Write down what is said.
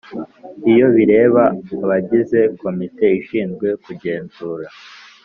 Iyo bireba abagize Komite ishinzwe kugenzura